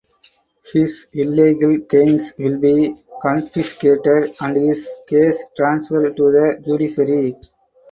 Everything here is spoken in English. His illegal gains will be confiscated and his case transferred to the judiciary.